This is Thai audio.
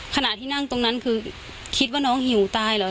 ขณะที่นั่งตรงนั้นคือคิดว่าน้องหิวตายเหรอ